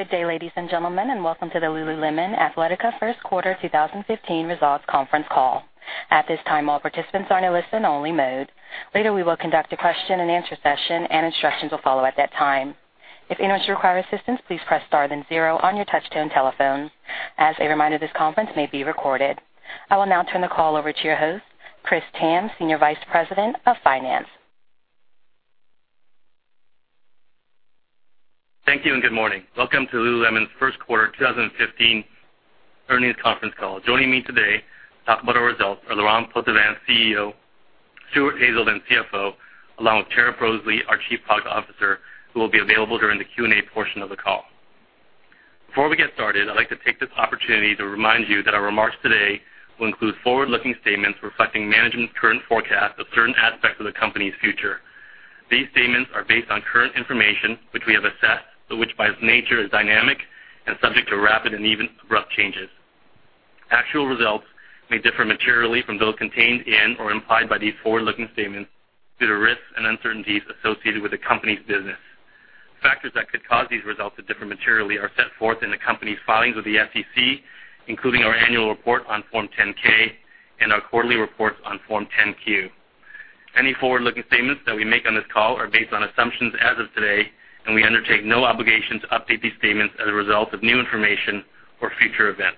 Good day, ladies and gentlemen, welcome to the Lululemon Athletica First Quarter 2015 Results Conference Call. At this time, all participants are in a listen-only mode. Later, we will conduct a question-and-answer session, instructions will follow at that time. If anyone should require assistance, please press star then zero on your touch-tone telephone. As a reminder, this conference may be recorded. I will now turn the call over to your host, Chris Tham, Senior Vice President of Finance. Thank you, good morning. Welcome to Lululemon's First Quarter 2015 Earnings Conference Call. Joining me today to talk about our results are Laurent Potdevin, CEO, Stuart Haselden, CFO, along with Tara Poseley, our Chief Product Officer, who will be available during the Q&A portion of the call. Before we get started, I'd like to take this opportunity to remind you that our remarks today will include forward-looking statements reflecting management's current forecast of certain aspects of the company's future. These statements are based on current information, which we have assessed, which by its nature is dynamic and subject to rapid and even abrupt changes. Actual results may differ materially from those contained in or implied by these forward-looking statements due to risks and uncertainties associated with the company's business. Factors that could cause these results to differ materially are set forth in the company's filings with the SEC, including our annual report on Form 10-K and our quarterly reports on Form 10-Q. Any forward-looking statements that we make on this call are based on assumptions as of today, we undertake no obligation to update these statements as a result of new information or future events.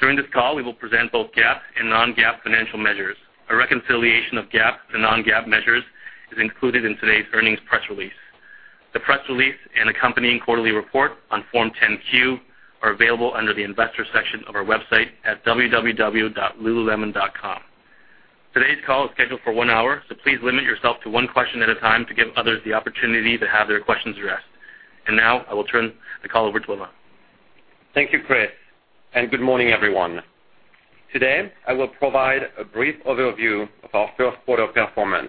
During this call, we will present both GAAP and non-GAAP financial measures. A reconciliation of GAAP to non-GAAP measures is included in today's earnings press release. The press release and accompanying quarterly report on Form 10-Q are available under the Investors section of our website at www.lululemon.com. Today's call is scheduled for one hour, please limit yourself to one question at a time to give others the opportunity to have their questions addressed. Now I will turn the call over to Laurent. Thank you, Chris, and good morning, everyone. Today, I will provide a brief overview of our first quarter performance,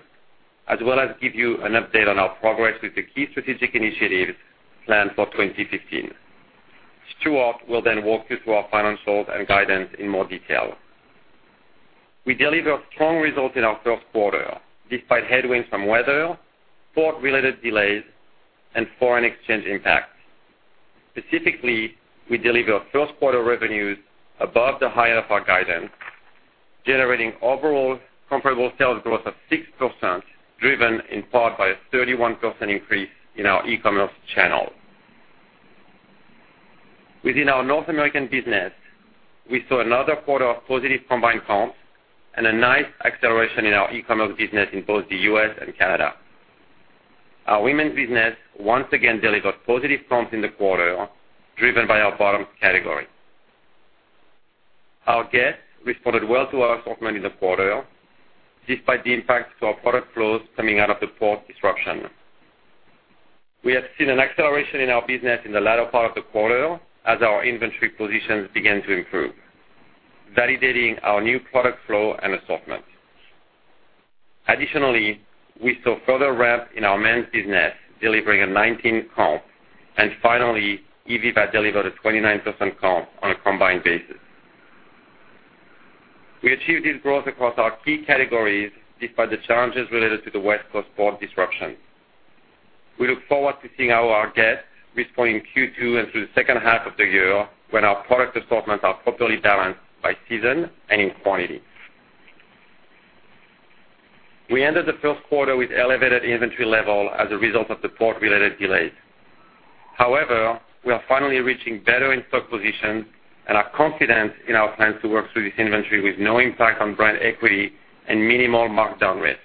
as well as give you an update on our progress with the key strategic initiatives planned for 2015. Stuart will walk you through our financials and guidance in more detail. We delivered strong results in our first quarter, despite headwinds from weather, port-related delays, and foreign exchange impacts. Specifically, we delivered first quarter revenues above the high end of our guidance, generating overall comparable sales growth of 6%, driven in part by a 31% increase in our e-commerce channel. Within our North American business, we saw another quarter of positive combined comps and a nice acceleration in our e-commerce business in both the U.S. and Canada. Our women's business once again delivered positive comps in the quarter, driven by our bottoms category. Our guests responded well to our assortment in the quarter, despite the impacts to our product flows coming out of the port disruption. We have seen an acceleration in our business in the latter part of the quarter as our inventory positions began to improve, validating our new product flow and assortment. Additionally, we saw further ramp in our men's business, delivering a 19 comp. Finally, ivivva delivered a 29% comp on a combined basis. We achieved this growth across our key categories despite the challenges related to the West Coast port disruption. We look forward to seeing how our guests respond in Q2 and through the second half of the year when our product assortments are properly balanced by season and in quantity. We ended the first quarter with elevated inventory level as a result of the port-related delays. However, we are finally reaching better in-stock positions and are confident in our plans to work through this inventory with no impact on brand equity and minimal markdown risk.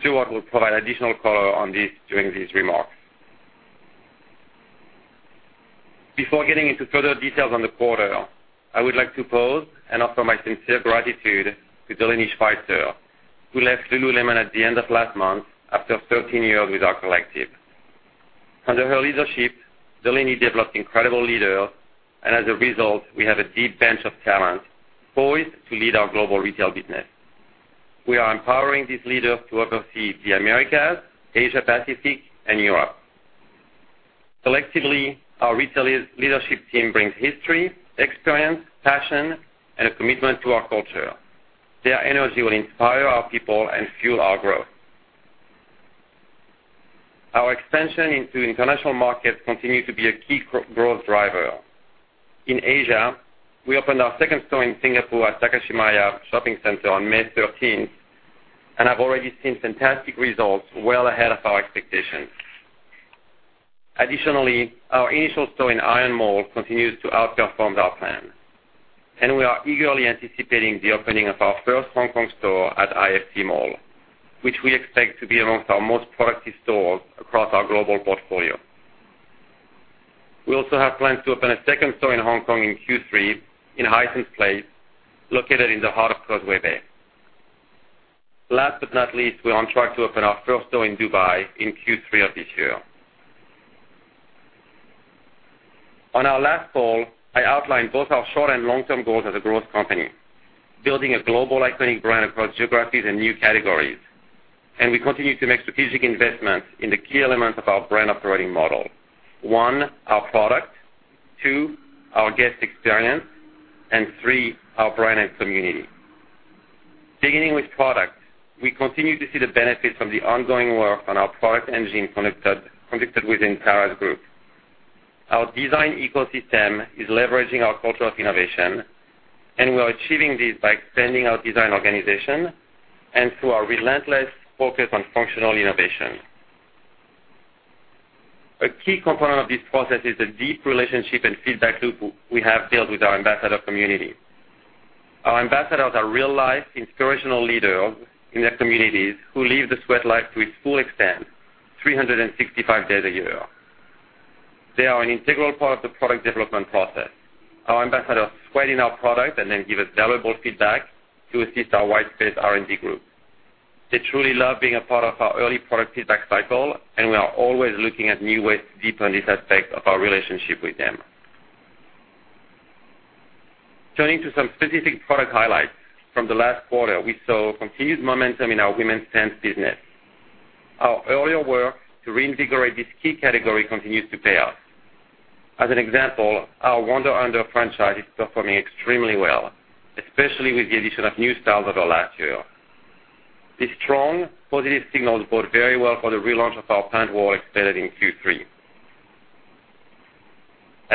Stuart will provide additional color on this during his remarks. Before getting into further details on the quarter, I would like to pause and offer my sincere gratitude to Delaney Schweitzer, who left Lululemon at the end of last month after 13 years with our collective. Under her leadership, Delaney developed incredible leaders, and as a result, we have a deep bench of talent poised to lead our global retail business. We are empowering these leaders to oversee the Americas, Asia Pacific, and Europe. Collectively, our retail leadership team brings history, experience, passion, and a commitment to our culture. Their energy will inspire our people and fuel our growth. Our expansion into international markets continues to be a key growth driver. In Asia, we opened our second store in Singapore at Takashimaya Shopping Center on May 13th and have already seen fantastic results well ahead of our expectations. Additionally, our initial store in ION Mall continues to outperform our plan, and we are eagerly anticipating the opening of our first Hong Kong store at IFC Mall, which we expect to be amongst our most productive stores across our global portfolio. We also have plans to open a second store in Hong Kong in Q3 in Hysan Place, located in the heart of Causeway Bay. Last but not least, we are on track to open our first store in Dubai in Q3 of this year. On our last call, I outlined both our short- and long-term goals as a growth company, building a global iconic brand across geographies and new categories. We continue to make strategic investments in the key elements of our brand operating model. One, our product. Two, our guest experience. Three, our brand and community. Beginning with product, we continue to see the benefit from the ongoing work on our product engine conducted within Whitespace. Our design ecosystem is leveraging our culture of innovation, and we are achieving this by expanding our design organization and through our relentless focus on functional innovation. A key component of this process is the deep relationship and feedback loop we have built with our ambassador community. Our ambassadors are real-life inspirational leaders in their communities who live the sweat life to its full extent 365 days a year. They are an integral part of the product development process. Our ambassadors sweat in our product and then give us valuable feedback to assist our Whitespace R&D group. They truly love being a part of our early product feedback cycle. We are always looking at new ways to deepen this aspect of our relationship with them. Turning to some specific product highlights from the last quarter, we saw continued momentum in our women's pants business. Our earlier work to reinvigorate this key category continues to pay off. As an example, our Wunder Under franchise is performing extremely well, especially with the addition of new styles over last year. These strong positive signals bode very well for the relaunch of our pant wall expected in Q3.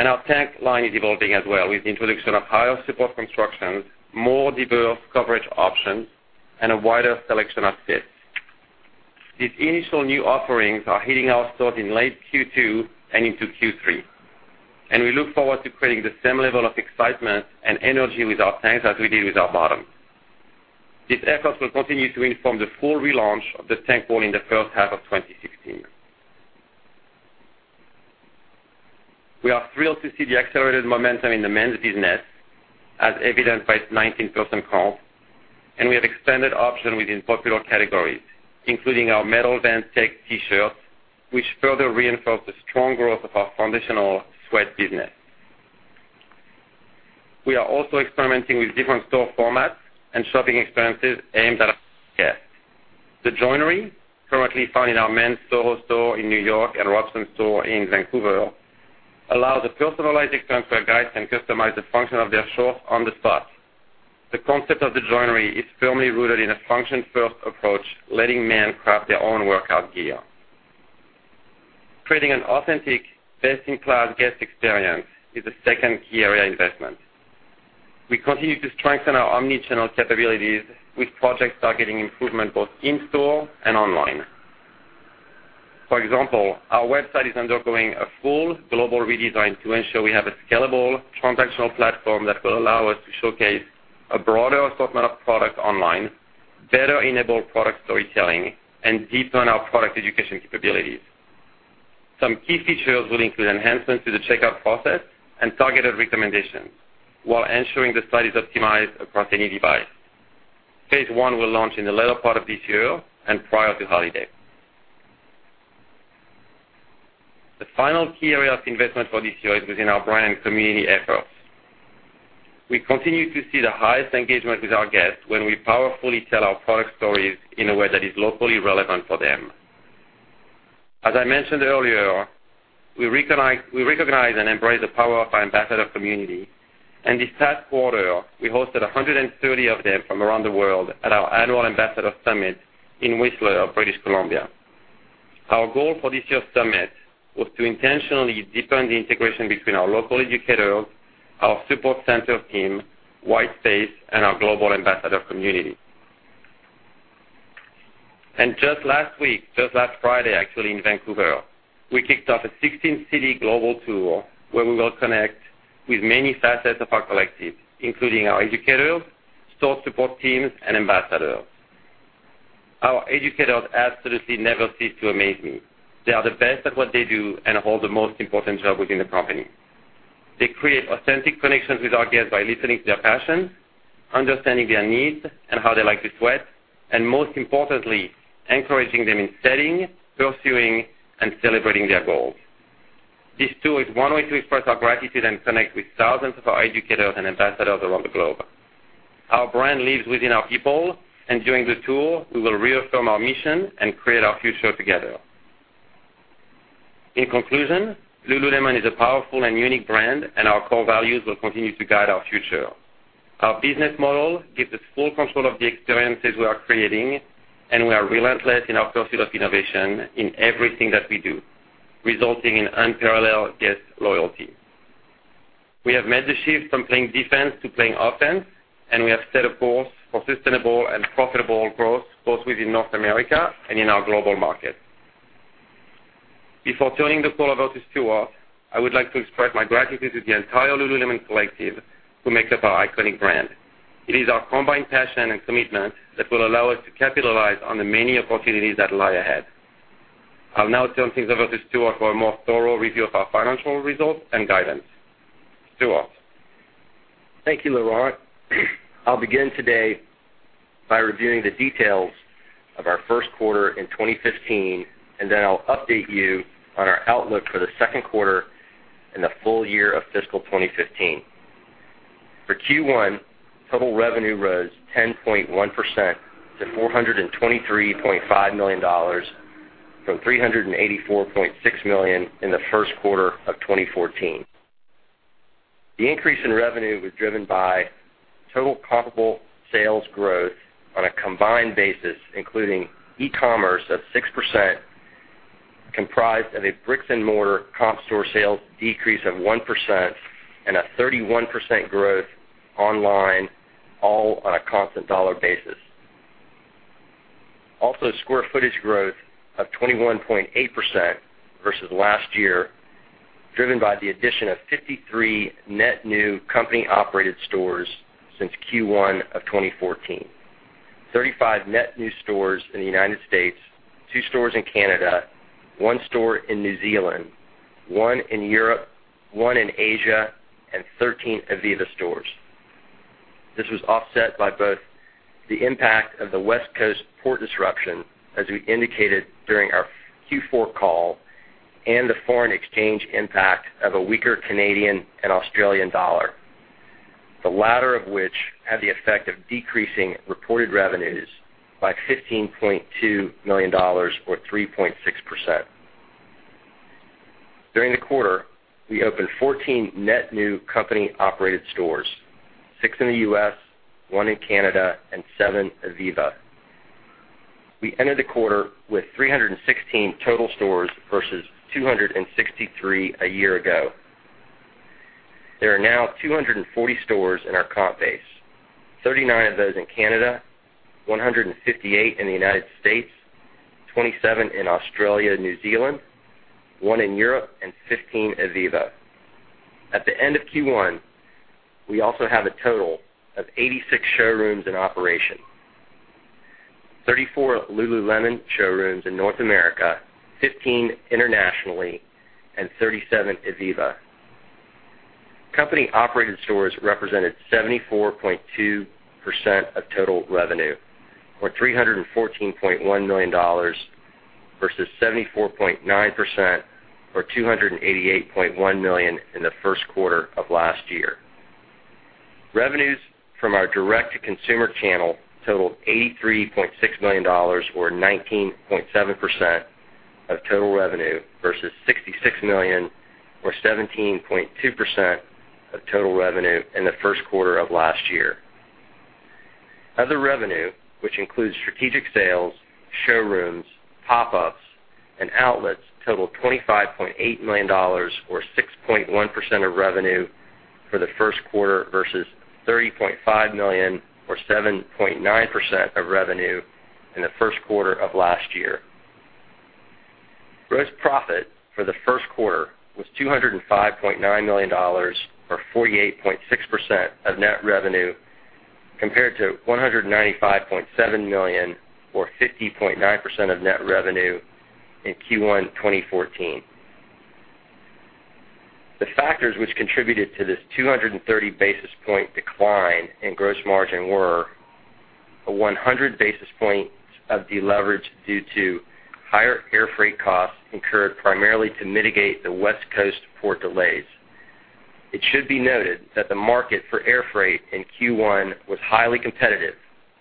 Our tank line is evolving as well with the introduction of higher support construction, more diverse coverage options, and a wider selection of fits. These initial new offerings are hitting our stores in late Q2 and into Q3, and we look forward to creating the same level of excitement and energy with our tanks as we did with our bottoms. These efforts will continue to inform the full relaunch of the tank wall in the first half of 2016. We are thrilled to see the accelerated momentum in the men's business, as evidenced by its 19% comp, and we have expanded options within popular categories, including our Metal Vent Tech T-shirts, which further reinforce the strong growth of our foundational sweat business. We are also experimenting with different store formats and shopping experiences aimed at our guests. The Joinery, currently found in our men's SoHo store in New York and Robson store in Vancouver, allows a personalized expert guide to customize the function of their shorts on the spot. The concept of The Joinery is firmly rooted in a function-first approach, letting men craft their own workout gear. Creating an authentic, best-in-class guest experience is the second key area of investment. We continue to strengthen our omnichannel capabilities with projects targeting improvement both in-store and online. For example, our website is undergoing a full global redesign to ensure we have a scalable transactional platform that will allow us to showcase a broader assortment of products online, better enable product storytelling, and deepen our product education capabilities. Some key features will include enhancements to the checkout process and targeted recommendations while ensuring the site is optimized across any device. Phase 1 will launch in the latter part of this year and prior to holiday. The final key area of investment for this year is within our brand community efforts. We continue to see the highest engagement with our guests when we powerfully tell our product stories in a way that is locally relevant for them. As I mentioned earlier, we recognize and embrace the power of our ambassador community, and this past quarter, we hosted 130 of them from around the world at our annual Ambassador Summit in Whistler, British Columbia. Our goal for this year's summit was to intentionally deepen the integration between our local educators, our support center team, Whitespace, and our global ambassador community. Just last week, just last Friday, actually, in Vancouver, we kicked off a 16-city global tour where we will connect with many facets of our collective, including our educators, store support teams, and ambassadors. Our educators absolutely never cease to amaze me. They are the best at what they do and hold the most important job within the company. They create authentic connections with our guests by listening to their passions, understanding their needs and how they like to sweat, and most importantly, encouraging them in setting, pursuing, and celebrating their goals. This tour is one way to express our gratitude and connect with thousands of our educators and ambassadors around the globe. Our brand lives within our people, and during the tour, we will reaffirm our mission and create our future together. In conclusion, Lululemon is a powerful and unique brand, and our core values will continue to guide our future. Our business model gives us full control of the experiences we are creating, and we are relentless in our pursuit of innovation in everything that we do, resulting in unparalleled guest loyalty. We have made the shift from playing defense to playing offense, and we have set a course for sustainable and profitable growth, both within North America and in our global markets. Before turning the call over to Stuart, I would like to express my gratitude to the entire Lululemon collective who make up our iconic brand. It is our combined passion and commitment that will allow us to capitalize on the many opportunities that lie ahead. I'll now turn things over to Stuart for a more thorough review of our financial results and guidance. Stuart. Thank you, Laurent. I'll begin today by reviewing the details of our first quarter in 2015. Then I'll update you on our outlook for the second quarter and the full year of fiscal 2015. For Q1, total revenue rose 10.1% to $423.5 million from $384.6 million in the first quarter of 2014. The increase in revenue was driven by total comparable sales growth on a combined basis, including e-commerce of 6%, comprised of a bricks and mortar comp store sales decrease of 1% and a 31% growth online, all on a constant dollar basis. Square footage growth of 21.8% versus last year, driven by the addition of 53 net new company-operated stores since Q1 of 2014. 35 net new stores in the U.S., 2 stores in Canada, 1 store in New Zealand, 1 in Europe, 1 in Asia, and 13 ivivva stores. This was offset by both the impact of the West Coast port disruption, as we indicated during our Q4 call, and the foreign exchange impact of a weaker Canadian and Australian dollar. The latter of which had the effect of decreasing reported revenues by $15.2 million, or 3.6%. During the quarter, we opened 14 net new company-operated stores, six in the U.S., one in Canada, and seven ivivva. We ended the quarter with 316 total stores versus 263 a year ago. There are now 240 stores in our comp base, 39 of those in Canada, 158 in the United States, 27 in Australia and New Zealand, one in Europe, and 15 ivivva. At the end of Q1, we also have a total of 86 showrooms in operation, 34 Lululemon showrooms in North America, 15 internationally, and 37 ivivva. Company-operated stores represented 74.2% of total revenue, or $314.1 million versus 74.9%, or $288.1 million in the first quarter of last year. Revenues from our direct-to-consumer channel totaled $83.6 million, or 19.7% of total revenue versus $66 million, or 17.2% of total revenue in the first quarter of last year. Other revenue, which includes strategic sales, showrooms, pop-ups, and outlets, totaled $25.8 million, or 6.1% of revenue for the first quarter versus $30.5 million, or 7.9% of revenue in the first quarter of last year. Gross profit for the first quarter was $205.9 million, or 48.6% of net revenue, compared to $195.7 million, or 50.9% of net revenue in Q1 2014. The factors which contributed to this 230 basis point decline in gross margin were a 100 basis points of deleverage due to higher air freight costs incurred primarily to mitigate the West Coast port delays. It should be noted that the market for air freight in Q1 was highly competitive,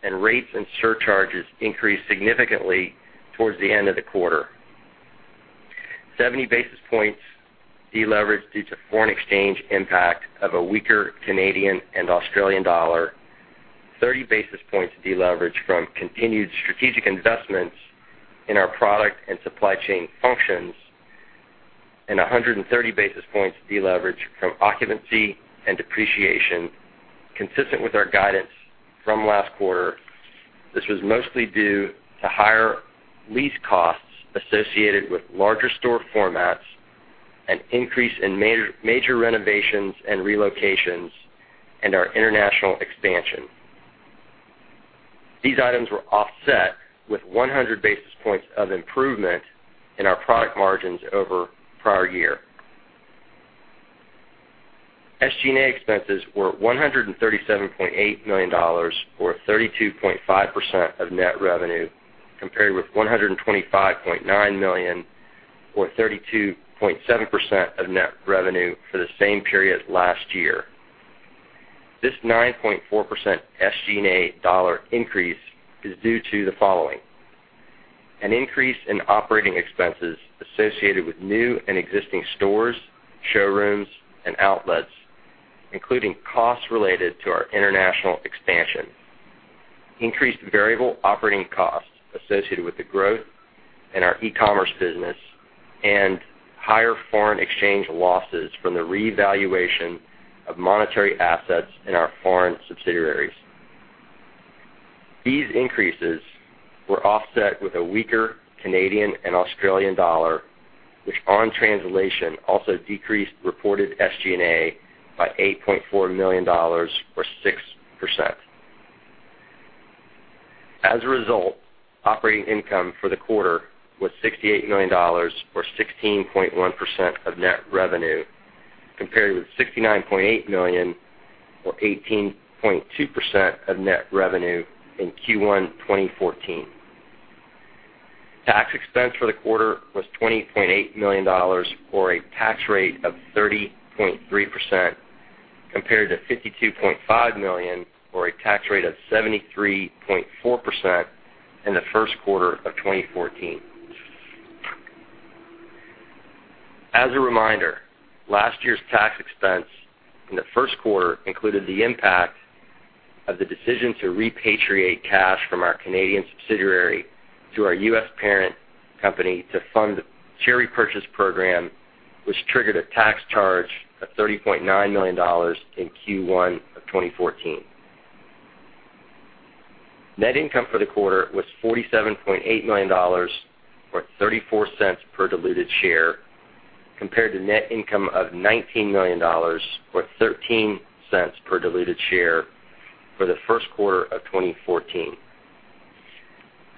and rates and surcharges increased significantly towards the end of the quarter. 70 basis points deleverage due to foreign exchange impact of a weaker Canadian and Australian dollar, 30 basis points deleverage from continued strategic investments in our product and supply chain functions, and 130 basis points deleverage from occupancy and depreciation consistent with our guidance from last quarter. This was mostly due to higher lease costs associated with larger store formats, an increase in major renovations and relocations, and our international expansion. These items were offset with 100 basis points of improvement in our product margins over prior year. SG&A expenses were $137.8 million, or 32.5% of net revenue, compared with $125.9 million or 32.7% of net revenue for the same period last year. This 9.4% SG&A dollar increase is due to the following. An increase in operating expenses associated with new and existing stores, showrooms, and outlets, including costs related to our international expansion. Increased variable operating costs associated with the growth in our e-commerce business, and higher foreign exchange losses from the revaluation of monetary assets in our foreign subsidiaries. These increases were offset with a weaker Canadian and Australian dollar, which on translation, also decreased reported SG&A by $8.4 million or 6%. As a result, operating income for the quarter was $68 million or 16.1% of net revenue, compared with $69.8 million or 18.2% of net revenue in Q1 2014. Tax expense for the quarter was $20.8 million or a tax rate of 30.3%, compared to $52.5 million or a tax rate of 73.4% in the first quarter of 2014. As a reminder, last year's tax expense in the first quarter included the impact of the decision to repatriate cash from our Canadian subsidiary to our U.S. parent company to fund the share repurchase program, which triggered a tax charge of $30.9 million in Q1 of 2014. Net income for the quarter was $47.8 million, or $0.34 per diluted share, compared to net income of $19 million, or $0.13 per diluted share for the first quarter of 2014.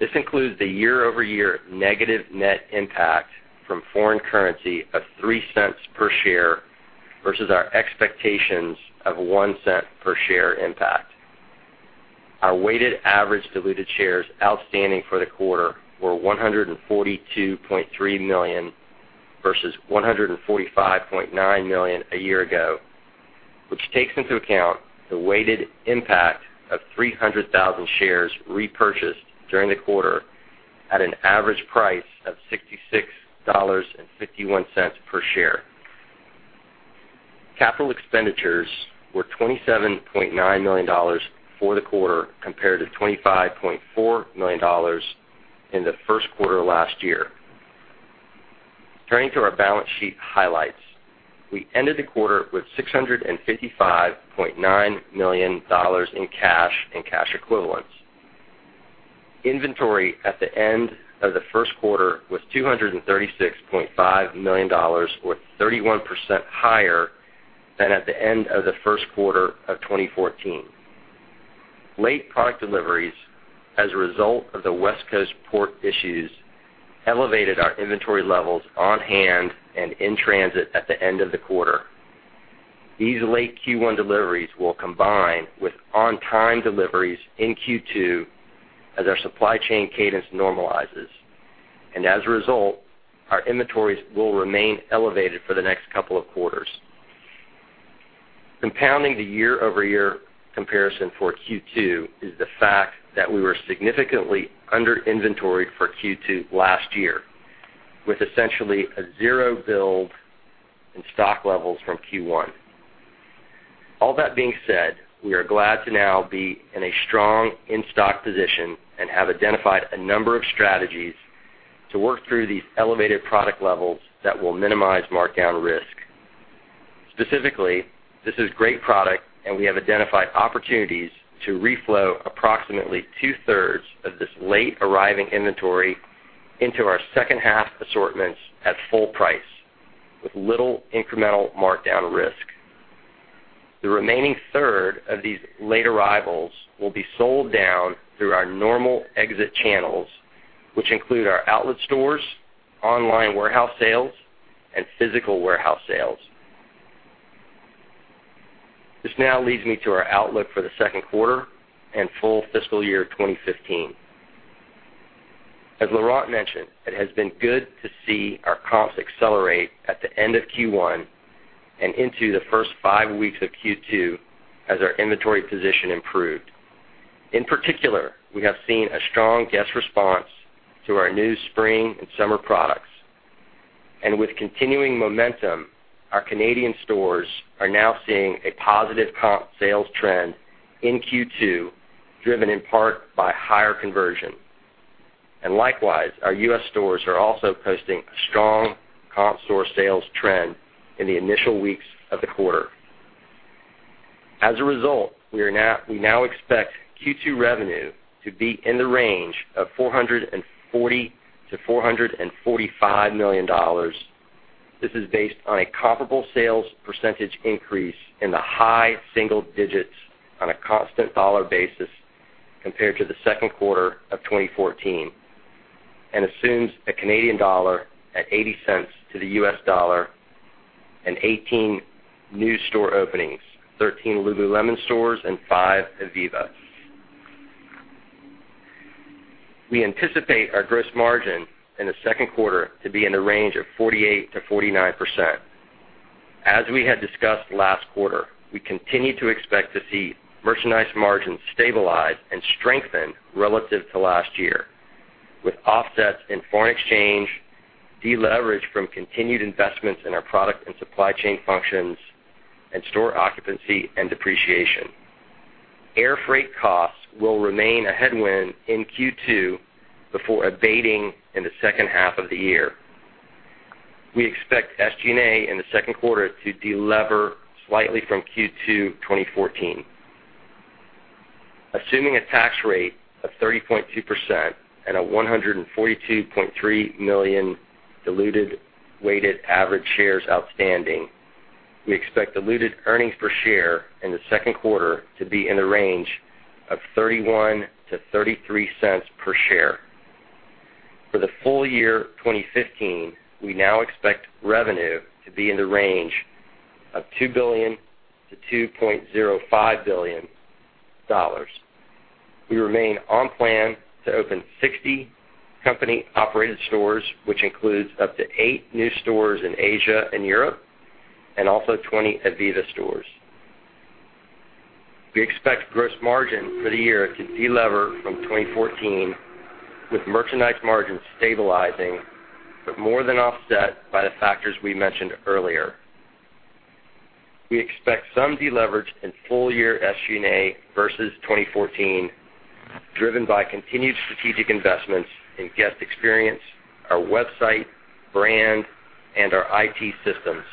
This includes the year-over-year negative net impact from foreign currency of $0.03 per share versus our expectations of $0.01 per share impact. Our weighted average diluted shares outstanding for the quarter were 142.3 million versus 145.9 million a year ago, which takes into account the weighted impact of 300,000 shares repurchased during the quarter at an average price of $66.51 per share. Capital expenditures were $27.9 million for the quarter, compared to $25.4 million in the first quarter last year. Turning to our balance sheet highlights. We ended the quarter with $655.9 million in cash and cash equivalents. Inventory at the end of the first quarter was $236.5 million, or 31% higher than at the end of the first quarter of 2014. Late product deliveries as a result of the West Coast port issues elevated our inventory levels on hand and in transit at the end of the quarter. These late Q1 deliveries will combine with on-time deliveries in Q2 as our supply chain cadence normalizes. As a result, our inventories will remain elevated for the next couple of quarters. Compounding the year-over-year comparison for Q2 is the fact that we were significantly under inventoried for Q2 last year, with essentially a zero build in stock levels from Q1. All that being said, we are glad to now be in a strong in-stock position and have identified a number of strategies to work through these elevated product levels that will minimize markdown risk. Specifically, this is great product and we have identified opportunities to reflow approximately two-thirds of this late arriving inventory into our second half assortments at full price with little incremental markdown risk. The remaining third of these late arrivals will be sold down through our normal exit channels, which include our outlet stores, online warehouse sales, and physical warehouse sales. This now leads me to our outlook for the second quarter and full fiscal year 2015. As Laurent mentioned, it has been good to see our comps accelerate at the end of Q1 and into the first five weeks of Q2 as our inventory position improved. In particular, we have seen a strong guest response to our new spring and summer products. With continuing momentum, our Canadian stores are now seeing a positive comp sales trend in Q2, driven in part by higher conversion. Likewise, our U.S. stores are also posting a strong comp store sales trend in the initial weeks of the quarter. As a result, we now expect Q2 revenue to be in the range of $440 million-$445 million. This is based on a comparable sales % increase in the high single digits on a constant dollar basis compared to the second quarter of 2014 and assumes a Canadian dollar at 0.80 to the U.S. dollar and 18 new store openings, 13 Lululemon stores and five ivivva. We anticipate our gross margin in the second quarter to be in the range of 48%-49%. As we had discussed last quarter, we continue to expect to see merchandise margins stabilize and strengthen relative to last year, with offsets in foreign exchange, deleverage from continued investments in our product and supply chain functions, and store occupancy and depreciation. Air freight costs will remain a headwind in Q2 before abating in the second half of the year. We expect SG&A in the second quarter to delever slightly from Q2 2014. Assuming a tax rate of 30.2% and a 142.3 million diluted weighted average shares outstanding, we expect diluted earnings per share in the second quarter to be in the range of $0.31-$0.33 per share. For the full year 2015, we now expect revenue to be in the range of $2 billion to $2.05 billion. We remain on plan to open 60 company-operated stores, which includes up to eight new stores in Asia and Europe, and also 20 ivivva stores. We expect gross margin for the year to delever from 2014, with merchandise margins stabilizing but more than offset by the factors we mentioned earlier. We expect some deleverage in full-year SG&A versus 2014, driven by continued strategic investments in guest experience, our website, brand, and our IT systems.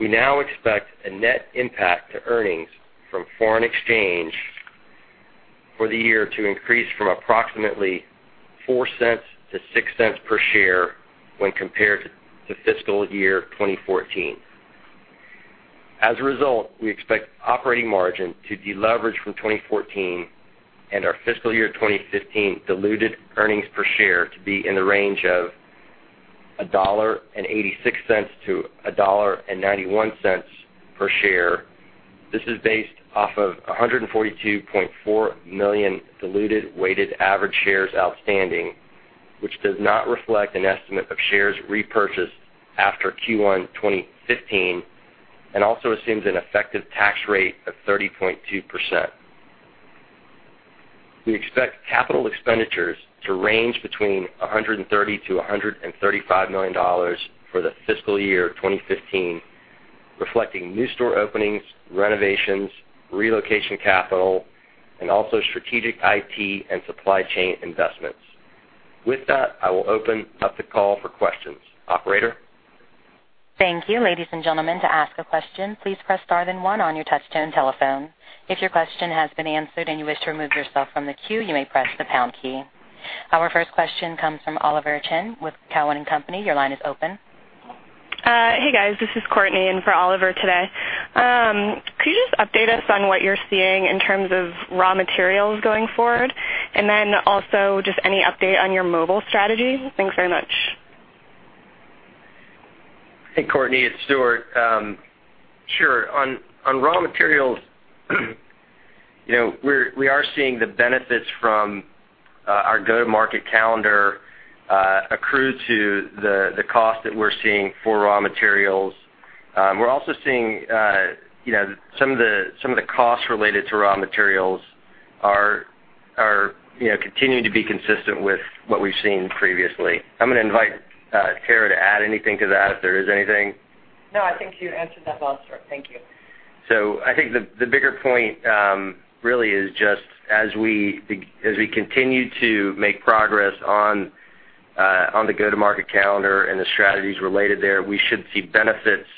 We now expect a net impact to earnings from foreign exchange for the year to increase from approximately $0.04 to $0.06 per share when compared to fiscal year 2014. As a result, we expect operating margin to deleverage from 2014 and our fiscal year 2015 diluted earnings per share to be in the range of $1.86 to $1.91 per share. This is based off of 142.4 million diluted weighted average shares outstanding, which does not reflect an estimate of shares repurchased after Q1 2015 and also assumes an effective tax rate of 30.2%. We expect capital expenditures to range between $130 million-$135 million for the fiscal year 2015, reflecting new store openings, renovations, relocation capital, and also strategic IT and supply chain investments. With that, I will open up the call for questions. Operator? Thank you. Ladies and gentlemen, to ask a question, please press star then one on your touch-tone telephone. If your question has been answered and you wish to remove yourself from the queue, you may press the pound key. Our first question comes from Oliver Chen with Cowen and Company. Your line is open. Hey, guys, this is Courtney in for Oliver today. Could you just update us on what you're seeing in terms of raw materials going forward? Also, just any update on your mobile strategy? Thanks very much. Hey, Courtney. It's Stuart. Sure. On raw materials, we are seeing the benefits from our go-to-market calendar accrue to the cost that we're seeing for raw materials. We're also seeing some of the costs related to raw materials are continuing to be consistent with what we've seen previously. I'm going to invite Tara to add anything to that, if there is anything. No, I think you answered that well, Stuart. Thank you. I think the bigger point really is just as we continue to make progress on the go-to-market calendar and the strategies related there, we should see benefits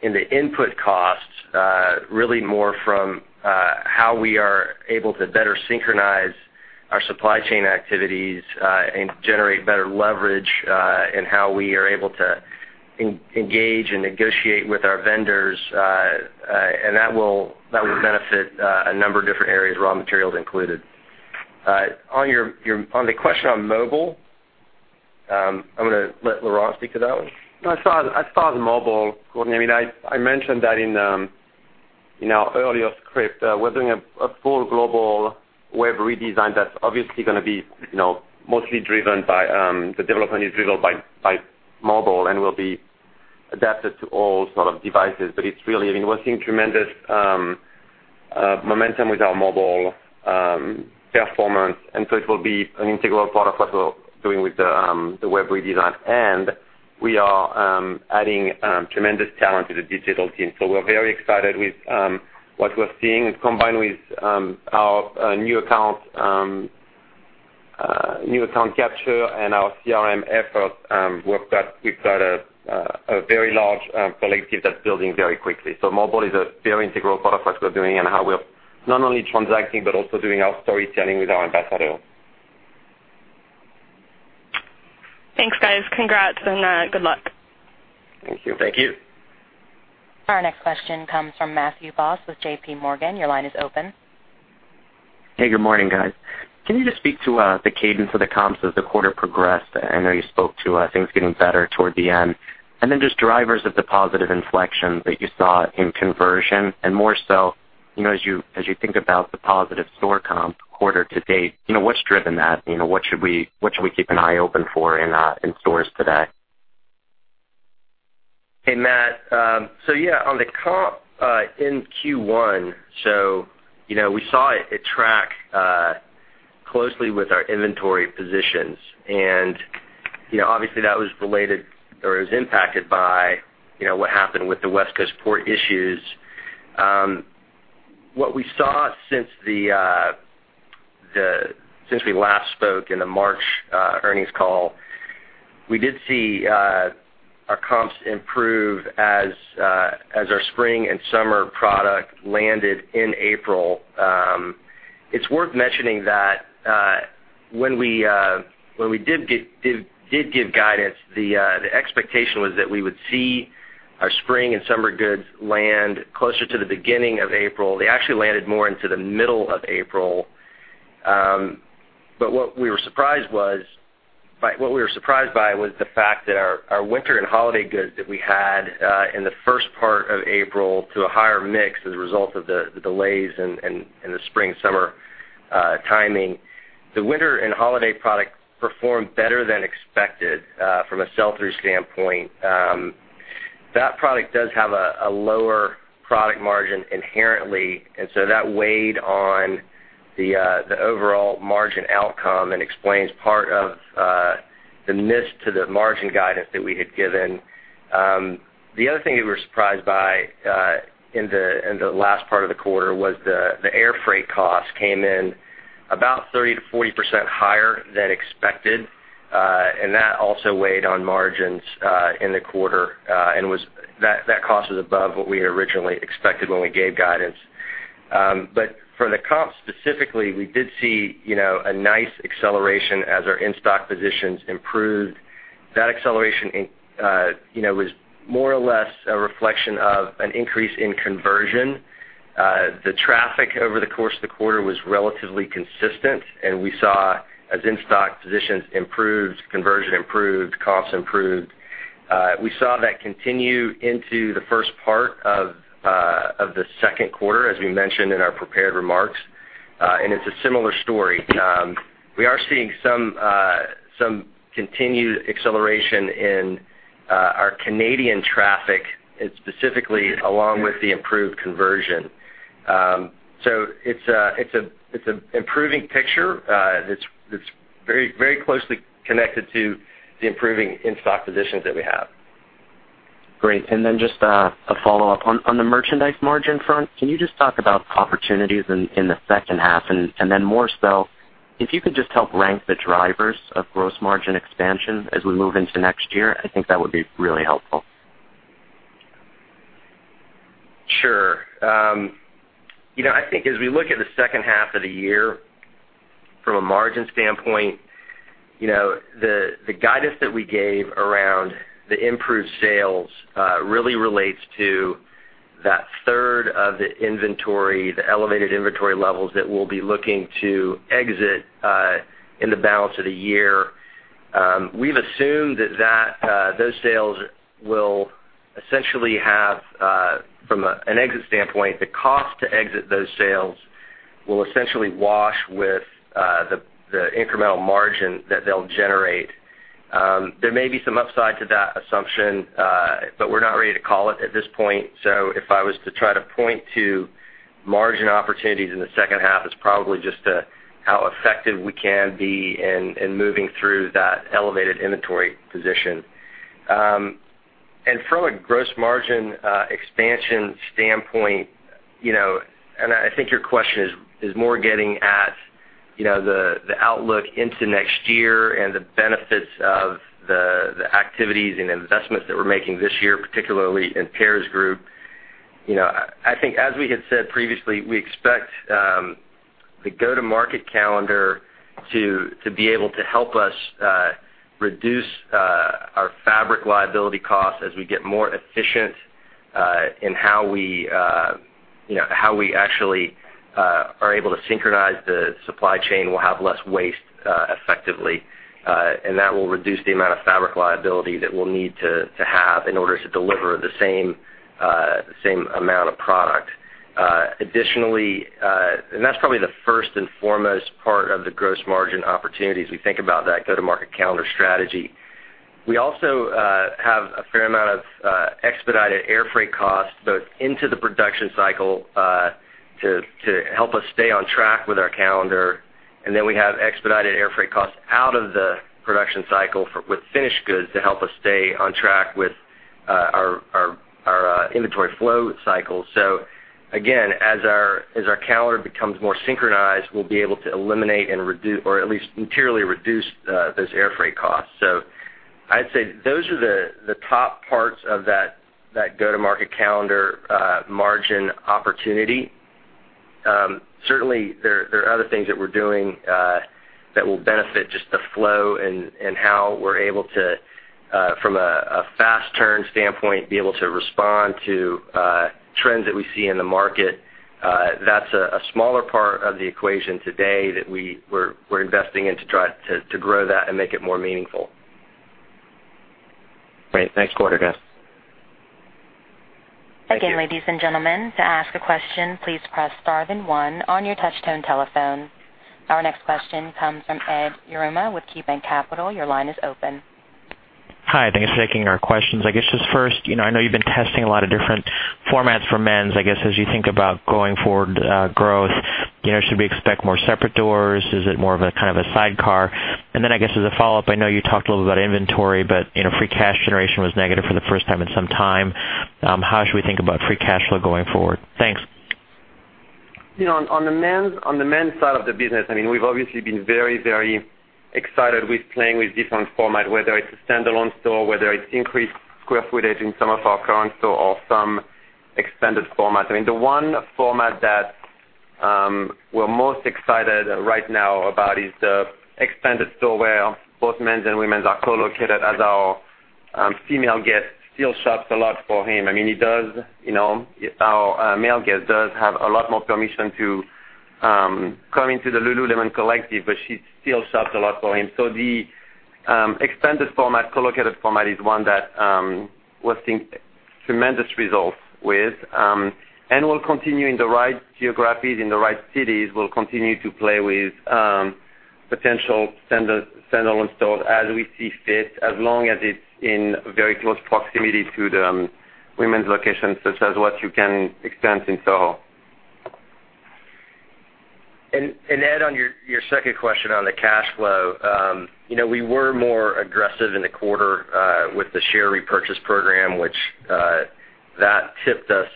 in the input costs really more from how we are able to better synchronize our supply chain activities and generate better leverage in how we are able to engage and negotiate with our vendors. That will benefit a number of different areas, raw materials included. On the question on mobile, I'm going to let Laurent speak to that one. No, as far as mobile, Courtney, I mentioned that in our earlier script. We're doing a full global web redesign that's obviously going to be mostly the development is driven by mobile and will be adapted to all sort of devices. We're seeing tremendous momentum with our mobile performance, and so it will be an integral part of what we're doing with the web redesign. We are adding tremendous talent to the digital team. We're very excited with what we're seeing. Combined with our new account capture and our CRM efforts, we've got a very large collective that's building very quickly. Mobile is a very integral part of what we're doing and how we're not only transacting but also doing our storytelling with our ambassadors. Thanks, guys. Congrats and good luck. Thank you. Thank you. Our next question comes from Matthew Boss with JPMorgan. Your line is open. Hey, good morning, guys. Can you just speak to the cadence of the comps as the quarter progressed? I know you spoke to things getting better toward the end. Just drivers of the positive inflection that you saw in conversion. More so, as you think about the positive store comp quarter to date, what's driven that? What should we keep an eye open for in stores today? Hey, Matt. Yeah, on the comp in Q1, so we saw it track closely with our inventory positions. Obviously, that was related or was impacted by what happened with the West Coast port issues. What we saw since we last spoke in the March earnings call, we did see our comps improve as our spring and summer product landed in April. It's worth mentioning that when we did give guidance, the expectation was that we would see our spring and summer goods land closer to the beginning of April. They actually landed more into the middle of April. What we were surprised by was the fact that our winter and holiday goods that we had in the first part of April to a higher mix as a result of the delays in the spring-summer timing. The winter and holiday product performed better than expected from a sell-through standpoint. That product does have a lower product margin inherently, and so that weighed on the overall margin outcome and explains part of the miss to the margin guidance that we had given. The other thing we were surprised by in the last part of the quarter was the air freight costs came in about 30%-40% higher than expected. That also weighed on margins in the quarter, and that cost was above what we had originally expected when we gave guidance. For the comp, specifically, we did see a nice acceleration as our in-stock positions improved. That acceleration was more or less a reflection of an increase in conversion. The traffic over the course of the quarter was relatively consistent, and we saw as in-stock positions improved, conversion improved, comps improved. We saw that continue into the first part of the second quarter, as we mentioned in our prepared remarks. It's a similar story. We are seeing some continued acceleration in our Canadian traffic, specifically along with the improved conversion. It's an improving picture that's very closely connected to the improving in-stock positions that we have. Great. Just a follow-up. On the merchandise margin front, can you just talk about opportunities in the second half? More so, if you could just help rank the drivers of gross margin expansion as we move into next year, I think that would be really helpful. Sure. I think as we look at the second half of the year, from a margin standpoint, the guidance that we gave around the improved sales really relates to that third of the inventory, the elevated inventory levels that we'll be looking to exit in the balance of the year. We've assumed that those sales will essentially have, from an exit standpoint, the cost to exit those sales will essentially wash with the incremental margin that they'll generate. There may be some upside to that assumption, we're not ready to call it at this point. If I was to try to point to margin opportunities in the second half, it's probably just how effective we can be in moving through that elevated inventory position. From a gross margin expansion standpoint, I think your question is more getting at the outlook into next year and the benefits of the activities and investments that we're making this year, particularly in Paris group. I think as we had said previously, we expect the go-to-market calendar to be able to help us reduce our fabric liability costs as we get more efficient in how we actually are able to synchronize the supply chain. We'll have less waste effectively. That will reduce the amount of fabric liability that we'll need to have in order to deliver the same amount of product. That's probably the first and foremost part of the gross margin opportunities. We think about that go-to-market calendar strategy. We also have a fair amount of expedited air freight costs, both into the production cycle, to help us stay on track with our calendar. We have expedited air freight costs out of the production cycle with finished goods to help us stay on track with our inventory flow cycle. Again, as our calendar becomes more synchronized, we'll be able to eliminate or at least materially reduce those air freight costs. I'd say those are the top parts of that go-to-market calendar margin opportunity. Certainly, there are other things that we're doing that will benefit just the flow and how we're able to, from a fast turn standpoint, be able to respond to trends that we see in the market. That's a smaller part of the equation today that we're investing in to try to grow that and make it more meaningful. Great. Thanks. Quarter, guys. Thank you. Again, ladies and gentlemen, to ask a question, please press star then one on your touch-tone telephone. Our next question comes from Ed Yruma with KeyBanc Capital. Your line is open. Hi, thanks for taking our questions. I know you've been testing a lot of different formats for men's. As you think about going forward growth, should we expect more separate doors? Is it more of a kind of a sidecar? As a follow-up, I know you talked a little about inventory, but free cash generation was negative for the first time in some time. How should we think about free cash flow going forward? Thanks. On the men's side of the business, we've obviously been very excited with playing with different formats, whether it's a standalone store, whether it's increased square footage in some of our current stores or some extended format. The one format that we're most excited right now about is the expanded store where both men's and women's are co-located as our female guest still shops a lot for him. Our male guest does have a lot more permission to come into the Lululemon Collective, but she still shops a lot for him. The expanded format, co-located format is one that we're think- Tremendous results with. We'll continue in the right geographies, in the right cities. We'll continue to play with potential standalone stores as we see fit, as long as it's in very close proximity to the women's locations, such as what you can expect in SoHo. Ed, on your second question on the cash flow. We were more aggressive in the quarter with the share repurchase program, which that tipped us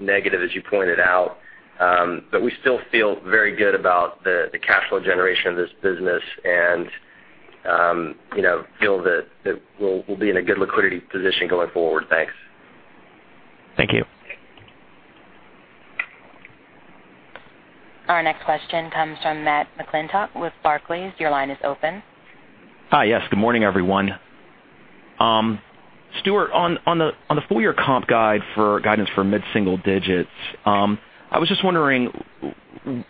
negative, as you pointed out. We still feel very good about the cash flow generation of this business and feel that we'll be in a good liquidity position going forward. Thanks. Thank you. Our next question comes from Matthew McClintock with Barclays. Your line is open. Hi. Yes. Good morning, everyone. Stuart, on the full year comp guide for guidance for mid-single digits. I was just wondering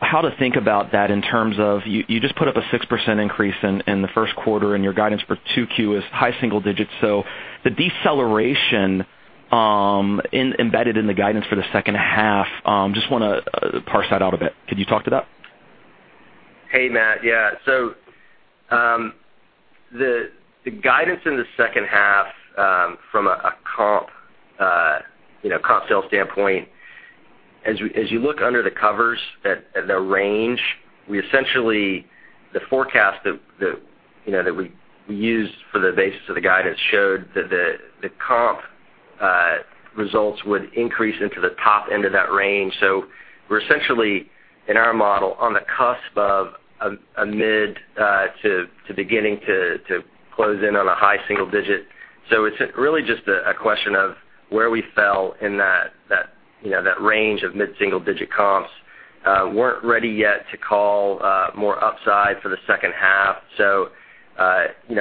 how to think about that in terms of, you just put up a 6% increase in the first quarter, and your guidance for 2Q is high single digits. The deceleration embedded in the guidance for the second half, just want to parse that out a bit. Could you talk to that? Hey, Matt. Yeah. The guidance in the second half, from a comp sales standpoint, as you look under the covers at the range, we essentially the forecast that we used for the basis of the guidance showed that the comp results would increase into the top end of that range. We're essentially, in our model, on the cusp of a mid to beginning to close in on a high single digit. It's really just a question of where we fell in that range of mid-single digit comps. We weren't ready yet to call more upside for the second half.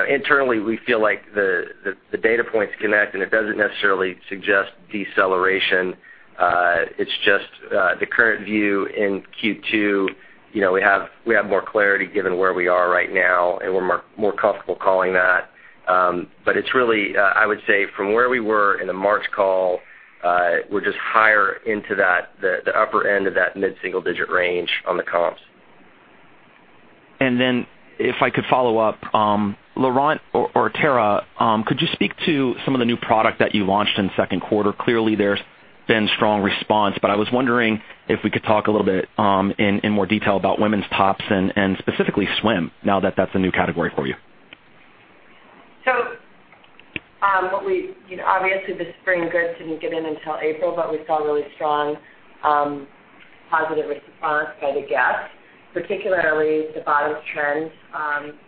Internally, we feel like the data points connect, and it doesn't necessarily suggest deceleration. It's just the current view in Q2. We have more clarity given where we are right now, and we're more comfortable calling that. It's really, I would say, from where we were in the March call, we're just higher into the upper end of that mid-single digit range on the comps. If I could follow up. Laurent or Tara, could you speak to some of the new product that you launched in the second quarter? Clearly, there's been strong response. I was wondering if we could talk a little bit in more detail about women's tops and specifically swim, now that that's a new category for you. Obviously, the spring goods didn't get in until April, we saw a really strong positive response by the guest. Particularly the bottoms trend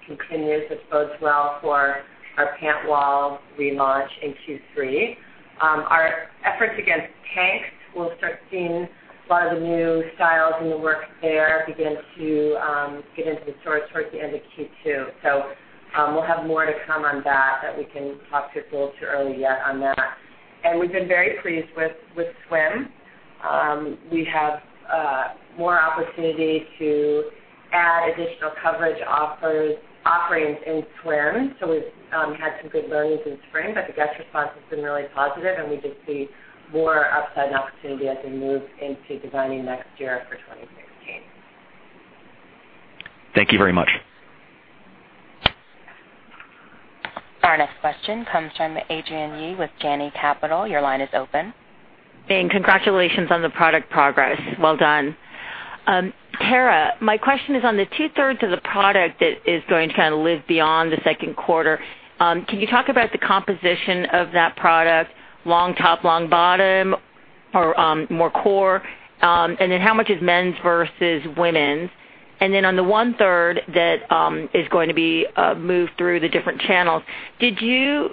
continues, which bodes well for our pant wall relaunch in Q3. Our efforts against tanks, we'll start seeing a lot of the new styles and the work there begin to get into the stores towards the end of Q2. We'll have more to come on that, we can talk to it's a little too early yet on that. We've been very pleased with swim. We have more opportunity to add additional coverage offerings in swim. We've had some good learnings in spring, the guest response has been really positive, and we just see more upside and opportunity as we move into designing next year for 2016. Thank you very much. Our next question comes from Adrienne Yih with Janney Capital. Your line is open. Dan, congratulations on the product progress. Well done. Tara, my question is on the two-thirds of the product that is going to live beyond the second quarter. Can you talk about the composition of that product, long top, long bottom, or more core? How much is men's versus women's? On the one-third that is going to be moved through the different channels, do you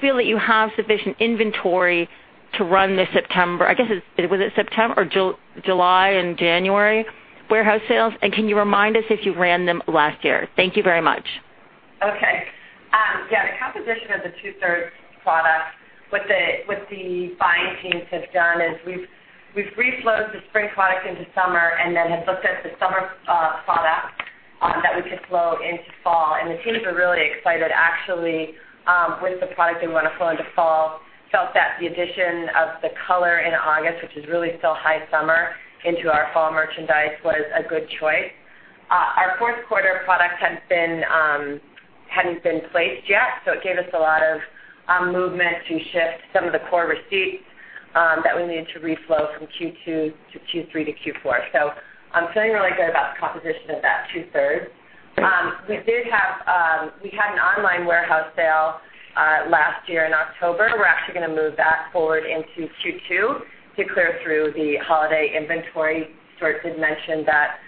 feel that you have sufficient inventory to run the September or July and January warehouse sales? Can you remind us if you ran them last year? Thank you very much. Okay. The composition of the two-thirds product, what the buying teams have done is we've reflowed the spring product into summer and have looked at the summer product that we could flow into fall. The teams are really excited, actually, with the product they want to flow into fall. Felt that the addition of the color in August, which is really still high summer, into our fall merchandise was a good choice. Our fourth quarter product hadn't been placed yet, so it gave us a lot of movement to shift some of the core receipts that we needed to reflow from Q2 to Q3 to Q4. I'm feeling really good about the composition of that two-thirds. We had an online warehouse sale last year in October. We're actually going to move that forward into Q2 to clear through the holiday inventory. Stuart did mention that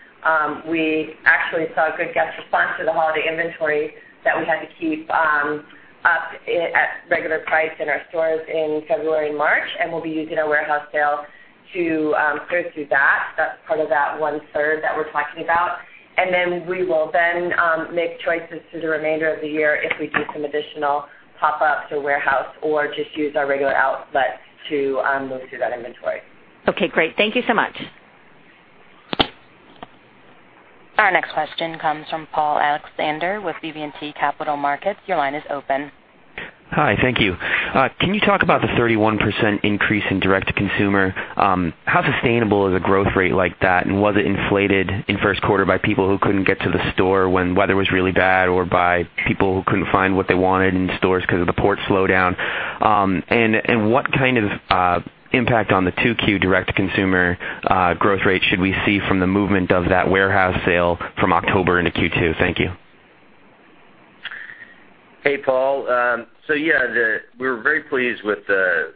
we actually saw a good guest response to the holiday inventory that we had to keep up at regular price in our stores in February and March, and we'll be using our warehouse sale to go through that. That's part of that one-third that we're talking about. We will then make choices through the remainder of the year if we do some additional pop-ups or warehouse or just use our regular outlets to move through that inventory. Okay, great. Thank you so much. Our next question comes from Paul Alexander with BB&T Capital Markets. Your line is open. Hi, thank you. Can you talk about the 31% increase in direct-to-consumer? How sustainable is a growth rate like that? Was it inflated in first quarter by people who couldn't get to the store when weather was really bad, or by people who couldn't find what they wanted in stores because of the port slowdown? What kind of impact on the 2Q direct-to-consumer growth rate should we see from the movement of that warehouse sale from October into Q2? Thank you. Hey, Paul. Yeah, we were very pleased with the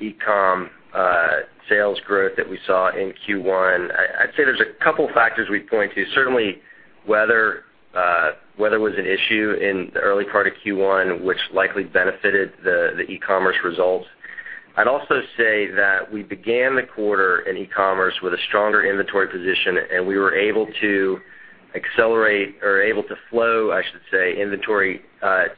e-com sales growth that we saw in Q1. I'd say there's a couple factors we'd point to. Certainly, weather was an issue in the early part of Q1, which likely benefited the e-commerce results. I'd also say that we began the quarter in e-commerce with a stronger inventory position, and we were able to accelerate or able to flow, I should say, inventory faster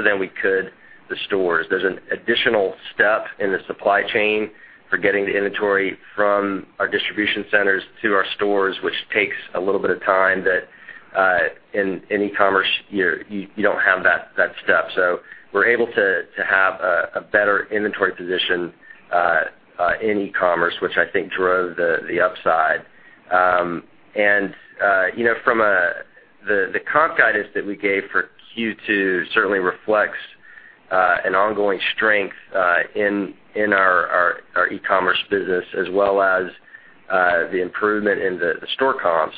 than we could the stores. There's an additional step in the supply chain for getting the inventory from our distribution centers to our stores, which takes a little bit of time that, in e-commerce, you don't have that step. We're able to have a better inventory position in e-commerce, which I think drove the upside. The comp guidance that we gave for Q2 certainly reflects an ongoing strength in our e-commerce business as well as the improvement in the store comps.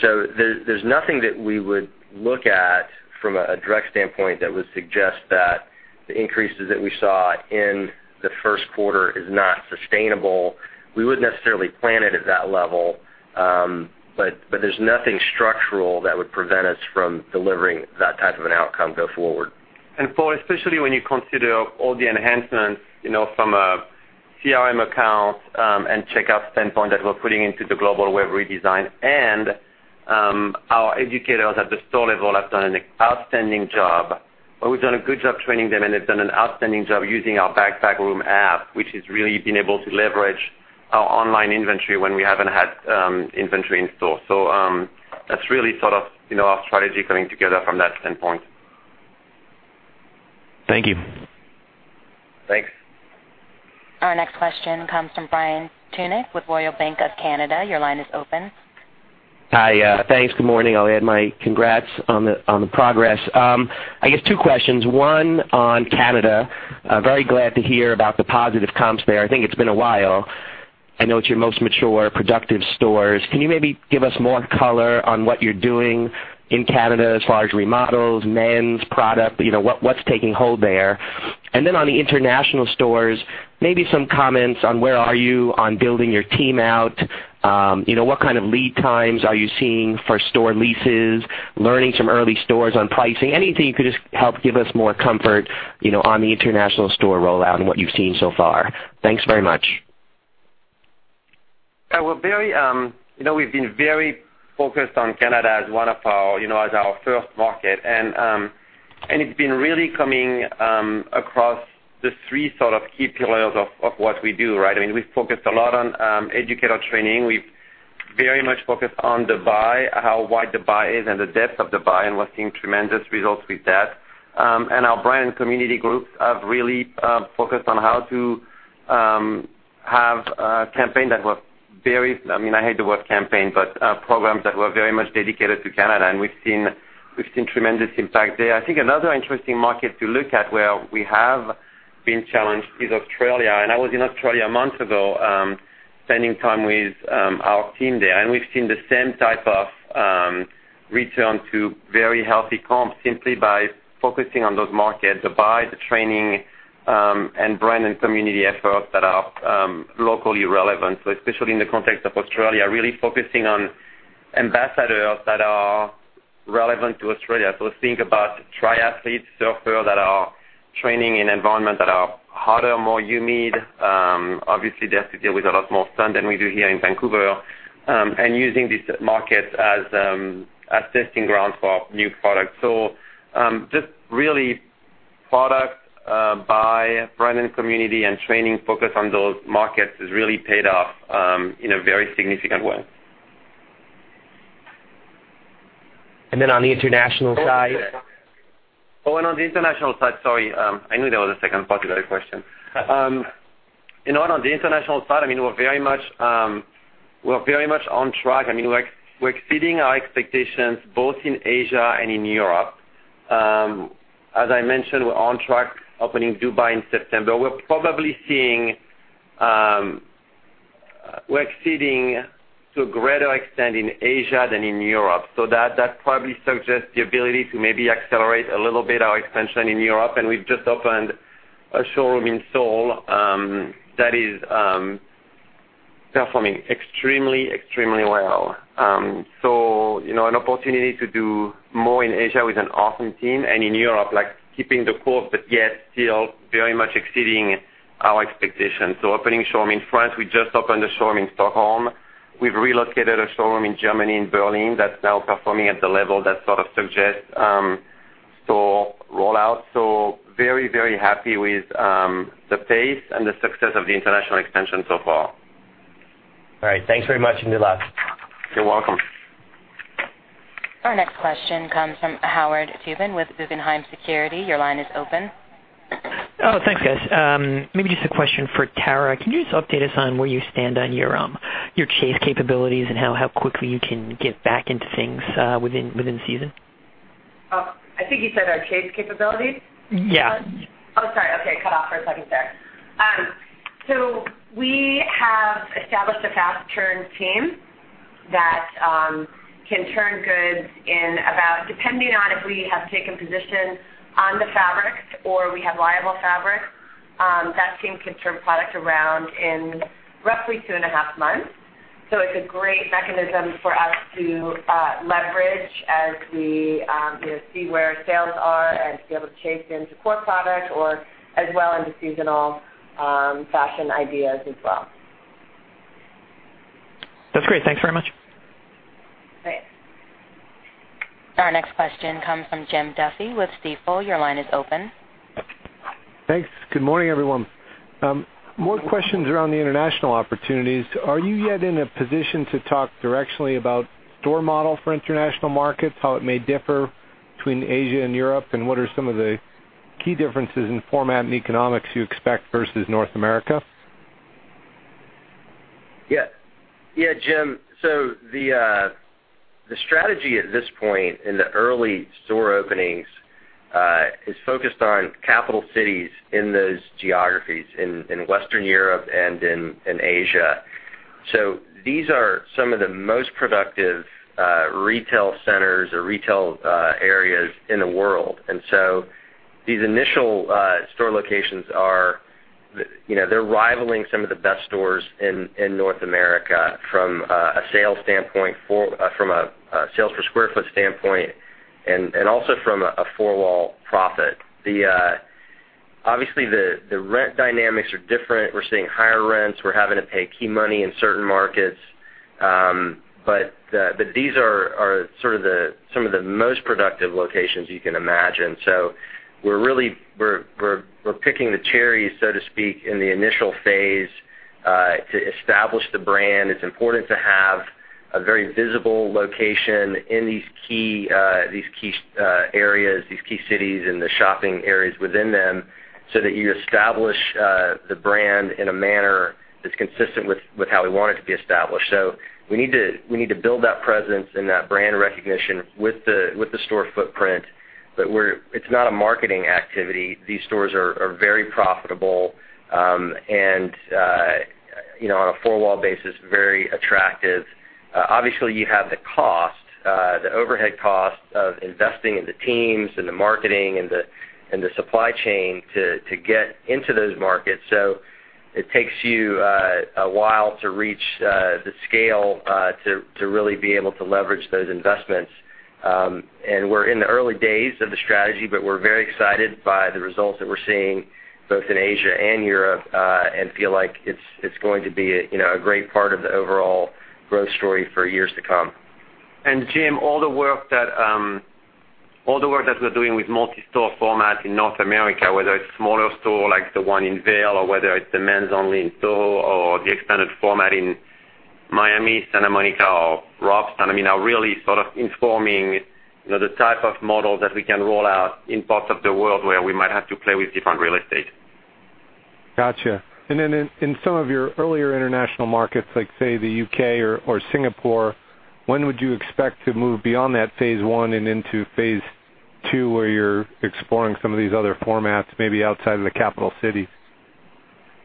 There's nothing that we would look at from a direct standpoint that would suggest that the increases that we saw in the first quarter is not sustainable. We wouldn't necessarily plan it at that level. There's nothing structural that would prevent us from delivering that type of an outcome going forward. Paul, especially when you consider all the enhancements from a CRM account and checkout standpoint that we're putting into the global web redesign, and our educators at the store level have done an outstanding job, or we've done a good job training them, and they've done an outstanding job using our Backstage room app, which has really been able to leverage our online inventory when we haven't had inventory in store. That's really sort of our strategy coming together from that standpoint. Thank you. Thanks. Our next question comes from Brian Tunick with Royal Bank of Canada. Your line is open. Hi. Thanks. Good morning. I'll add my congrats on the progress. I guess two questions. One on Canada. Very glad to hear about the positive comps there. I think it's been a while. I know it's your most mature, productive stores. Can you maybe give us more color on what you're doing in Canada as far as remodels, men's product, what's taking hold there? Then on the international stores, maybe some comments on where are you on building your team out. What kind of lead times are you seeing for store leases, learning some early stores on pricing? Anything you could just help give us more comfort on the international store rollout and what you've seen so far. Thanks very much. We've been very focused on Canada as our first market, and it's been really coming across the three sort of key pillars of what we do, right? We've focused a lot on educator training. We've very much focused on the buy, how wide the buy is, and the depth of the buy, and we're seeing tremendous results with that. Our brand community groups have really focused on how to have a campaign that was very I hate the word campaign, but programs that were very much dedicated to Canada, and we've seen tremendous impact there. I think another interesting market to look at where we have been challenged is Australia. I was in Australia a month ago, spending time with our team there, and we've seen the same type of return to very healthy comps simply by focusing on those markets, the buy, the training, and brand and community efforts that are locally relevant. Especially in the context of Australia, really focusing on ambassadors that are relevant to Australia. Think about triathletes, surfers that are training in environments that are hotter, more humid. Obviously, they have to deal with a lot more sun than we do here in Vancouver, and using these markets as testing grounds for our new products. Just really product buy, brand and community, and training focus on those markets has really paid off in a very significant way. On the international side? On the international side, sorry. I knew there was a second part to that question. On the international side, we're very much on track. We're exceeding our expectations both in Asia and in Europe. As I mentioned, we're on track opening Dubai in September. We're exceeding to a greater extent in Asia than in Europe. That probably suggests the ability to maybe accelerate a little bit our expansion in Europe, and we've just opened a showroom in Seoul that is performing extremely well. An opportunity to do more in Asia with an awesome team, and in Europe, keeping the course, but yet still very much exceeding our expectations. Opening a showroom in France. We just opened a showroom in Stockholm. We've relocated a showroom in Germany, in Berlin, that's now performing at the level that sort of suggests Store rollout. Very, very happy with the pace and the success of the international expansion so far. Thanks very much, and good luck. You're welcome. Our next question comes from Howard Tubin with Guggenheim Securities. Your line is open. Oh, thanks guys. Maybe just a question for Tara. Can you just update us on where you stand on your chase capabilities and how quickly you can get back into things within the season? Oh, I think you said our chase capabilities. Yeah. Oh, sorry. Okay, cut off for a second there. We have established a fast turn team that can turn goods in about, depending on if we have taken position on the fabrics or we have liable fabric, that team can turn product around in roughly two and a half months. It's a great mechanism for us to leverage as we see where sales are and to be able to chase into core product or as well into seasonal fashion ideas as well. That's great. Thanks very much. Great. Our next question comes from Jim Duffy with Stifel. Your line is open. Thanks. Good morning, everyone. More questions around the international opportunities. Are you yet in a position to talk directionally about store model for international markets, how it may differ between Asia and Europe, and what are some of the key differences in format and economics you expect versus North America? Yeah. Jim, the strategy at this point in the early store openings, is focused on capital cities in those geographies, in Western Europe and in Asia. These are some of the most productive retail centers or retail areas in the world. These initial store locations are rivaling some of the best stores in North America from a sales for square foot standpoint and also from a four-wall profit. Obviously, the rent dynamics are different. We're seeing higher rents. We're having to pay key money in certain markets. These are some of the most productive locations you can imagine. We're picking the cherries, so to speak, in the initial phase, to establish the brand. It's important to have a very visible location in these key areas, these key cities, and the shopping areas within them, so that you establish the brand in a manner that's consistent with how we want it to be established. We need to build that presence and that brand recognition with the store footprint. It's not a marketing activity. These stores are very profitable, and on a four-wall basis, very attractive. Obviously, you have the overhead cost of investing in the teams and the marketing and the supply chain to get into those markets. It takes you a while to reach the scale to really be able to leverage those investments. We're in the early days of the strategy, but we're very excited by the results that we're seeing both in Asia and Europe, and feel like it's going to be a great part of the overall growth story for years to come. Jim, all the work that we're doing with multi-store format in North America, whether it's smaller store like the one in Vail, or whether it's the men's only in Soho or the expanded format in Miami, Santa Monica, or Robson. I mean, are really sort of informing the type of models that we can roll out in parts of the world where we might have to play with different real estate. Got you. In some of your earlier international markets, like say the U.K. or Singapore, when would you expect to move beyond that phase 1 and into phase 2 where you're exploring some of these other formats, maybe outside of the capital cities?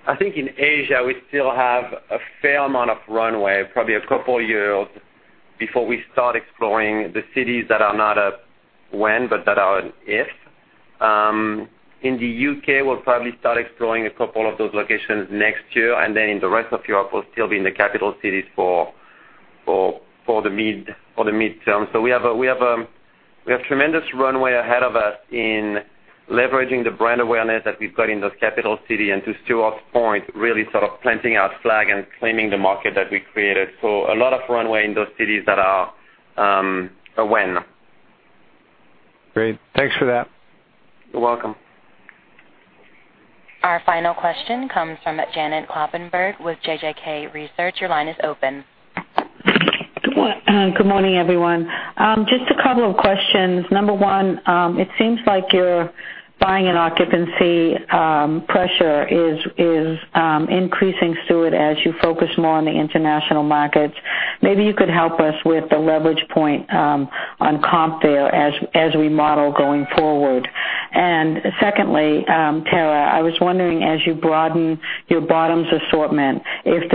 I think in Asia, we still have a fair amount of runway, probably a couple years before we start exploring the cities that are not a when, but that are an if. In the U.K., we'll probably start exploring a couple of those locations next year. In the rest of Europe, we'll still be in the capital cities for the midterm. We have tremendous runway ahead of us in leveraging the brand awareness that we've got in those capital city and to Stuart's point, really sort of planting our flag and claiming the market that we created. A lot of runway in those cities that are a when. Great. Thanks for that. You're welcome. Our final question comes from Janet Kloppenburg with JJK Research. Your line is open. Good morning, everyone. Just a couple of questions. Number 1, it seems like your buying and occupancy pressure is increasing, Stuart, as you focus more on the international markets. Maybe you could help us with the leverage point, on comp there as we model going forward. Secondly, Tara, I was wondering as you broaden your bottoms assortment, if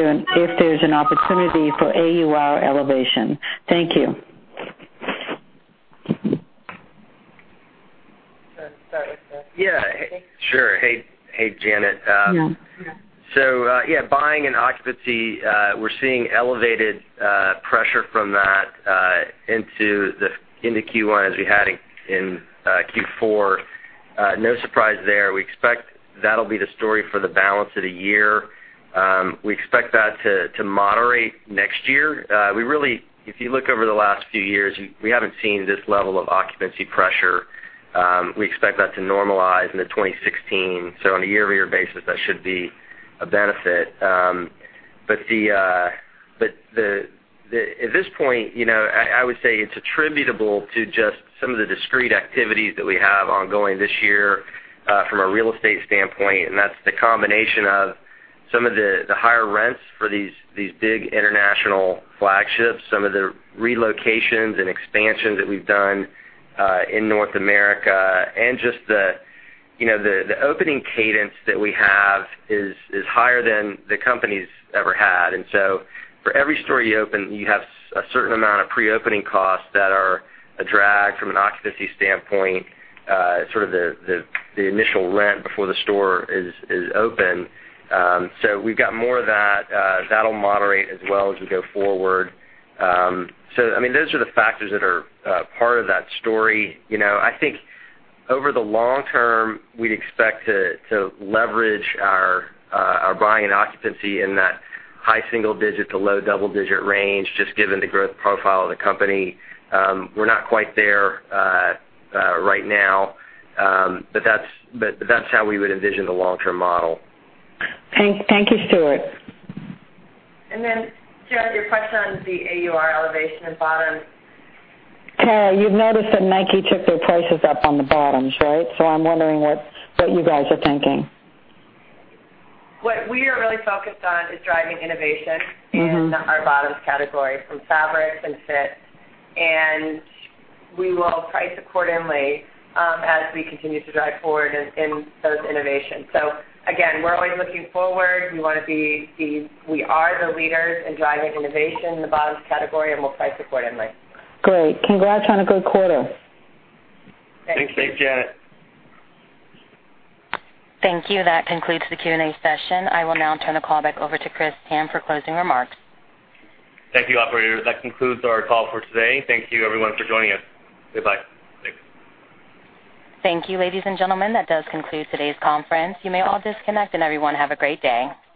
there's an opportunity for AUR elevation. Thank you. start with the- Yeah, sure. Hey, Janet. Yeah. Yeah, buying and occupancy, we're seeing elevated pressure from that into Q1 as we had in Q4. No surprise there. We expect that'll be the story for the balance of the year. We expect that to moderate next year. If you look over the last few years, we haven't seen this level of occupancy pressure. We expect that to normalize into 2016. On a year-over-year basis, that should be a benefit. At this point, I would say it's attributable to just some of the discrete activities that we have ongoing this year from a real estate standpoint, and that's the combination of some of the higher rents for these big international flagships, some of the relocations and expansions that we've done in North America, and just the opening cadence that we have is higher than the company's ever had. For every store you open, you have a certain amount of pre-opening costs that are a drag from an occupancy standpoint, sort of the initial rent before the store is open. We've got more of that. That will moderate as well as we go forward. Those are the factors that are part of that story. I think over the long term, we'd expect to leverage our buying and occupancy in that high single digit to low double digit range, just given the growth profile of the company. We're not quite there right now. That's how we would envision the long-term model. Thank you, Stuart. Janet, your question on the AUR elevation in bottoms. You've noticed that Nike took their prices up on the bottoms, right? I'm wondering what you guys are thinking. What we are really focused on is driving innovation in our bottoms category, from fabric and fit. We will price accordingly as we continue to drive forward in those innovations. Again, we're always looking forward. We are the leaders in driving innovation in the bottoms category, and we'll price accordingly. Great. Congrats on a good quarter. Thanks, Janet. Thank you. That concludes the Q&A session. I will now turn the call back over to Chris Tham for closing remarks. Thank you, operator. That concludes our call for today. Thank you everyone for joining us. Goodbye. Thank you, ladies and gentlemen. That does conclude today's conference. You may all disconnect, and everyone have a great day.